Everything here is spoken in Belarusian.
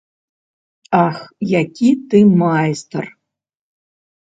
Ах, які ты майстар.